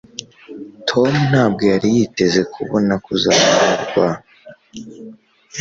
tom ntabwo yari yiteze kubona kuzamurwa